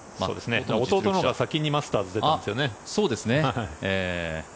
弟のほうが先にマスターズに出ていますよね。